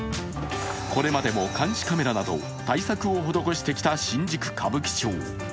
これまでも監視カメラなど対策を施してきた新宿・歌舞伎町。